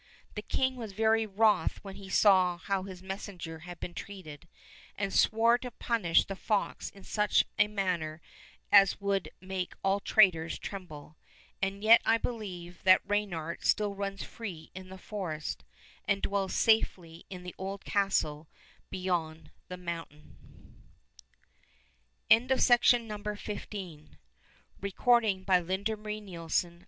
The king was very wroth when he saw how his messenger had been treated, and swore to punish the fox in such a manner as would make all traitors tremble. And yet I believe that Reynard still runs free in the forest, and dwells safely in the old castle beyond the mountain.